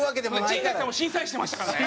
陣内さんも審査員してましたからね。